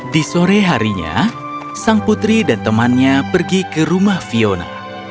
di sore harinya sang putri dan temannya pergi ke rumah fiona